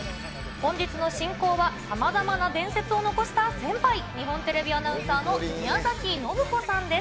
本日の進行はさまざまな伝説を残した先輩、日本テレビアナウンサーの宮崎宣子さんです。